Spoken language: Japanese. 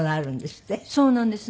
そうなんです。